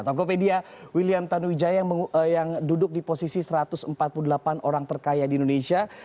tokopedia william tanuwijaya yang duduk di posisi satu ratus empat puluh delapan orang terkaya di indonesia